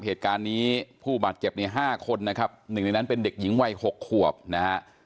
เหตุการณ์นี้ผู้บาดเจ็บใน๕คนนะครับหนึ่งในนั้นเป็นเด็กหญิงวัย๖ขวบนะฮะ